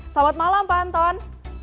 selamat malam pak anton